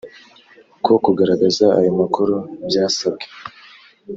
uko kugaragaza ayo makuru byasabwe